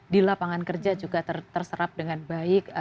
di lapangan kerja juga terserap dengan baik